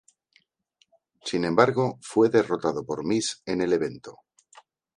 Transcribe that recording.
Sin embargo, fue derrotado por The Miz en el evento.